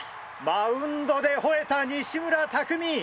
マウンドで吠えた西村拓味！